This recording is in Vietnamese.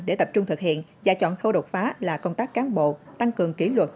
để tập trung thực hiện và chọn khâu đột phá là công tác cán bộ tăng cường kỷ luật